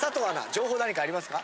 情報何かありますか？